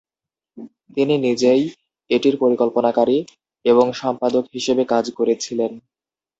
তিনি নিজেই এটির পরিকল্পনাকারী এবং সম্পাদক হিসেবে কাজ করেছিলেন।